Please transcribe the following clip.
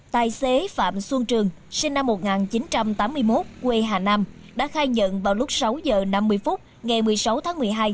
tài xế phạm xuân trường sinh năm một nghìn chín trăm tám mươi một quê hà nam đã khai nhận vào lúc sáu h năm mươi phút ngày một mươi sáu tháng một mươi hai